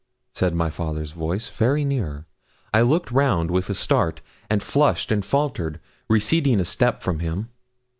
said my father's voice, very near. I looked round, with a start, and flushed and faltered, receding a step from him.